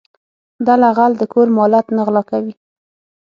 دله غل د کور مالت نه غلا کوي.